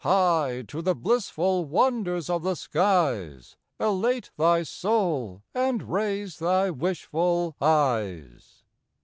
High to the blissful wonders of the skies Elate thy soul, and raise thy wishful eyes.